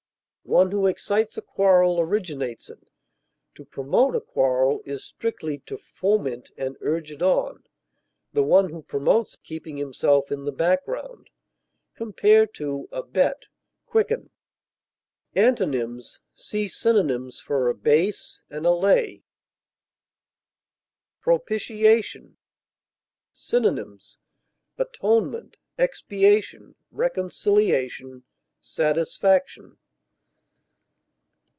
One who excites a quarrel originates it; to promote a quarrel is strictly to foment and urge it on, the one who promotes keeping himself in the background. Compare ABET; QUICKEN. Antonyms: See synonyms for ABASE; ALLAY. PROPITIATION. Synonyms: atonement, expiation, reconciliation, satisfaction.